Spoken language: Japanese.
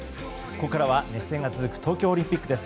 ここからは熱戦が続く東京オリンピックです。